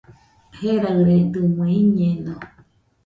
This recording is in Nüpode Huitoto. Jeraɨredɨmɨe, iñeno